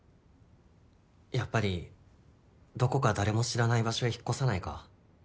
やっぱりどこか誰も知らない場所へ引っ越さないか？